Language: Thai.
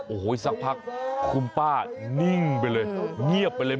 โอ้โหสักพักคุณป้านิ่งไปเลยเงียบไปเลย